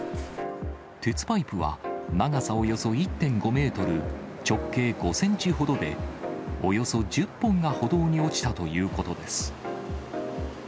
鉄パイプは長さおよそ１．５メートル、直径５センチほどで、およそ１０本が歩道に落ちたということです。